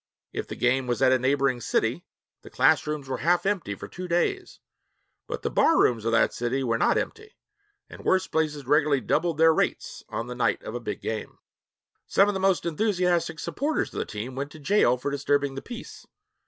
If the game was at a neighboring city, the class rooms were half empty for two days; but the bar rooms of that city were not empty, and worse places regularly doubled their rates on the night of a big game. Some of the most enthusiastic supporters of the team went to jail for disturbing the peace.